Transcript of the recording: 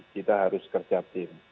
kita harus kerja tim